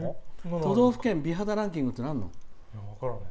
都道府県美肌ランキングってなんなの？